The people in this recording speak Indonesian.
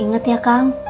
ingat ya kang